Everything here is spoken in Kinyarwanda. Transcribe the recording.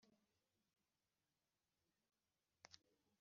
kuko Uhoraho yabivuze.